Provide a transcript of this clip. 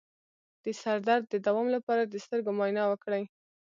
د سر درد د دوام لپاره د سترګو معاینه وکړئ